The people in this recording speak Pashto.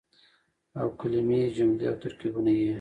او کلمې ،جملې او ترکيبونه يې